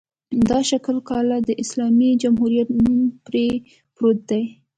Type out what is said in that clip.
دا شل کاله د اسلامي جمهوریت نوم پرې پروت دی.